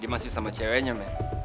dia masih sama ceweknya men